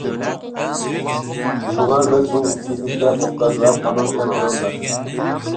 شۇڭا، مەن بۇ ھۆكمىتىمگە «ئوبدان ۋە تامام» دەپ نام بەردىم.